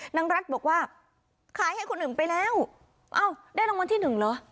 นางรัฐบอกว่าขายให้คนอื่นไปแล้วเอ้าได้รางวัลที่หนึ่งเหรอ